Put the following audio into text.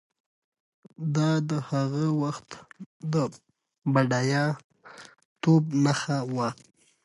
دا د هغه وخت د بډایه توب نښه وه.